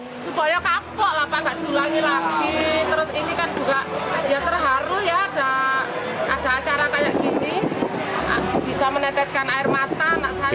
dia terharu ya ada acara kayak gini bisa menetekkan air mata anak saya